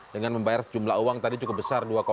dengan membayar sejumlah uang tadi cukup besar